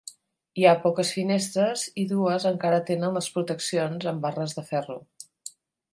Hi ha poques finestres, i dues encara tenen les proteccions amb barres de ferro.